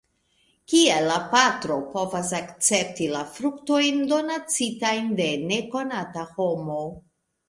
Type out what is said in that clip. Kiel la patro povos akcepti la fruktojn, donacitajn de nekonata homo.